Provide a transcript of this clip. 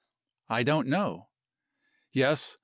I don't know. Yes!